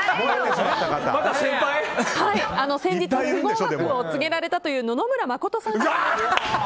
先日不合格を告げられたという野々村真さん。